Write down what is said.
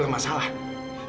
kalian harus dilepaskan